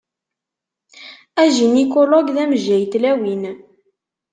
Ajinikulog d amejjay n tlawin.